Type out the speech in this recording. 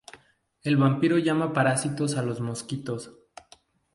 el vampiro llama parásitos a los mosquitos: